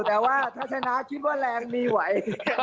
แต่ว่าถ้าชนะคิดว่าแรงมีไหว